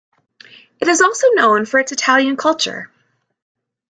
It is also known for its Italian culture.